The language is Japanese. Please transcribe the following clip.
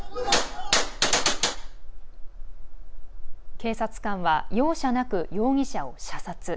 警察官は容赦なく容疑者を射殺。